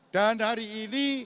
dan hari ini